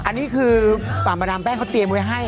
อันนี้คือฝั่งประดามแป้งเขาเตรียมไว้ให้